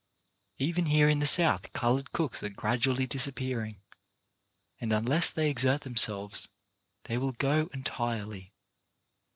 Even here in the South coloured cooks are gradually disappearing, and unless they exert themselves they will go en tirely.